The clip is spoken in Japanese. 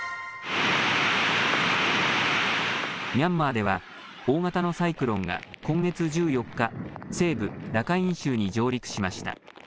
ミャンマーでは、大型のサイクロンが今月１４日、西部ラカイン州に上陸しました。